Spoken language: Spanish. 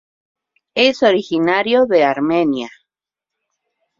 Es originario de Armenia.